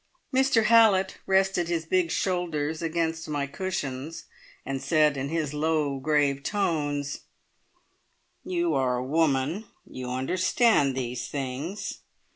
Mr Hallett rested his big shoulders against my cushions, and said in his low, grave tones: "You are a woman you understand these things.